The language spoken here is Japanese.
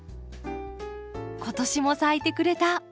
今年も咲いてくれた！